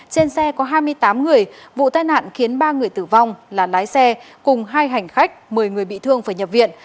trên xe có hai mươi tám người vụ tai nạn khiến ba người tử vong là lái xe cùng hai hành khách một mươi người bị thương phải nhập viện